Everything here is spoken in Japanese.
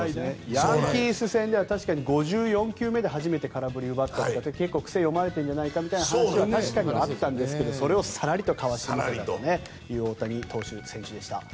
ヤンキース戦では確かに５４球目で初めて空振りを奪ったと結構、癖を読まれているんじゃないかという話が確かにあったんですがそれをさらりとかわしたという大谷選手でした。